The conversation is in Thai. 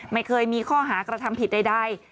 ไม่เคยมีข้อหากระทำผิดใด